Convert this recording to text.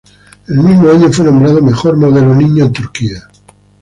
El mismo año, fue nombrado Mejor Modelo Niño en Turquía.